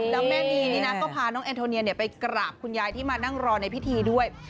แล้วแม่นีนี่นะก็พาน้องแอนโทเนียไปกราบคุณยายที่มานั่งรอในพิธีด้วย